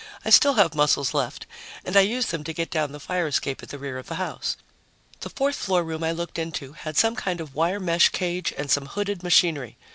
I still have muscles left and I used them to get down the fire escape at the rear of the house. The fourth floor room I looked into had some kind of wire mesh cage and some hooded machinery.